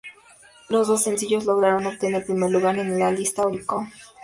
Los dos sencillos lograron obtener primer lugar en la lista "Oricon".